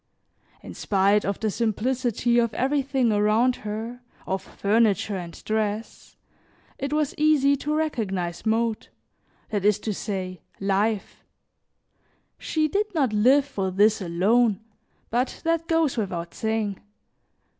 In spite of the simplicity of everything around her, of furniture and dress, it was easy to recognize mode, that is to say, life; she did not live for this alone, but that goes without saying.